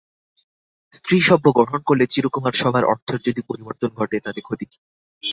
স্ত্রীসভ্য গ্রহণ করলে চিরকুমার-সভার অর্থের যদি পরিবর্তন ঘটে তাতে ক্ষতি কী?